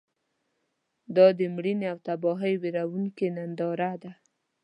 دا د مړینې او تباهۍ ویرونکې ننداره ده.